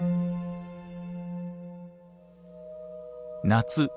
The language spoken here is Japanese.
夏